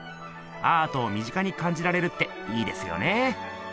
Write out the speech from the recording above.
アートを身近にかんじられるっていいですよね。